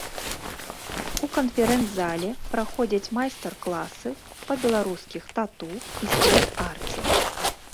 У канферэнц-зале праходзяць майстар-класы па беларускіх тату і стрыт-арце.